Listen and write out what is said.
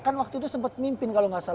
kan waktu itu sempet mimpin kalo gak salah